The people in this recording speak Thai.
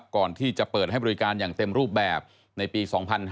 ก่อนที่จะเปิดให้บริการอย่างเต็มรูปแบบในปี๒๕๕๙